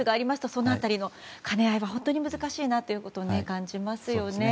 その辺りの兼ね合いは本当に難しいなということを感じますよね。